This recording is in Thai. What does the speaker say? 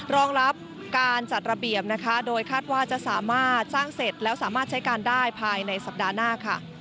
รองรับการจัดระเบียบนะคะโดยคาดว่าจะสามารถสร้างเสร็จแล้วสามารถใช้การได้ภายในสัปดาห์หน้าค่ะ